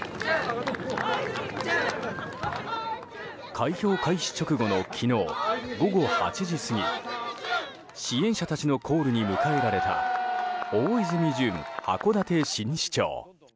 開票開始直後の昨日午後８時過ぎ支援者たちのコールに迎えられた大泉潤函館新市長。